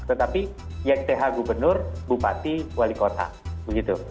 tetapi yang teha gubernur bupati wali kota begitu